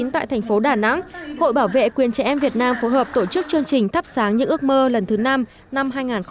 tại thành phố đà nẵng hội bảo vệ quyền trẻ em việt nam phối hợp tổ chức chương trình thắp sáng những ước mơ lần thứ năm năm hai nghìn hai mươi